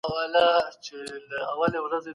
هیوادونه نړیوالو شریکانو ته بې له احترام نه نه ګوري.